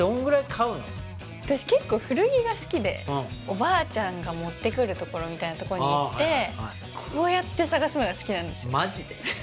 私結構古着が好きでおばあちゃんが持ってくるところみたいなとこに行ってこうやって探すのが好きなんですマジで？